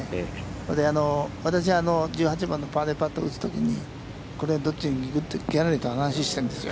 それで私、１８番のバーディーパットを打つときにこれ、どっちに打ってと、ギャラリーと話をしているんですよ。